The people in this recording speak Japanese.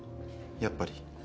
やっぱり。